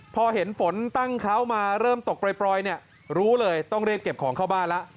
พอเห็นฝนตั้งเขามาเริ่มตกปล่อยเนี่ยรู้เลยต้องเรียกเก็บของเข้าบ้านแล้ว